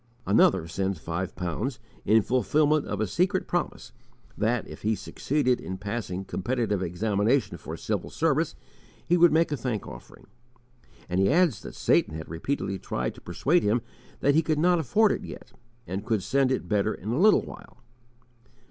Another sends five pounds in fulfillment of a secret promise that, if he succeeded in passing competitive examination for civil service, he would make a thank offering. And he adds that Satan had repeatedly tried to persuade him that he could not afford it yet, and could send it better in a little while.